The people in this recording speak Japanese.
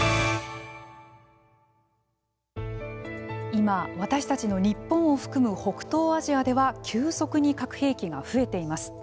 今、私たちの日本を含む北東アジアでは急速に核兵器が増えています。